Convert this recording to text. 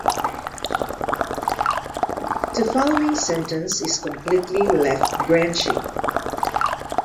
The following sentence is completely left-branching.